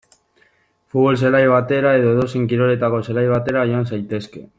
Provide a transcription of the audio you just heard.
Futbol zelai batera edo edozein kiroletako zelai batera joan zaitezke.